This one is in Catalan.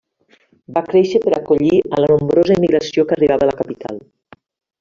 Va créixer per acollir a la nombrosa emigració que arribava a la capital.